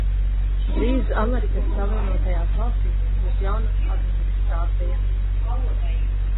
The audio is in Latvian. Drīz Amerikas Savienotajās Valstīs būs jaunā administrācija.